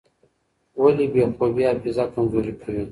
ولې بې خوبي حافظه کمزورې کوي؟